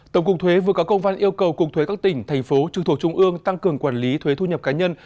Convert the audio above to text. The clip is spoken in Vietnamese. tổng cục thuế vừa có công văn yêu cầu cục thuế các tỉnh thành phố trường thuộc trung ương tăng cường quản lý thuế thu nhập cá nhân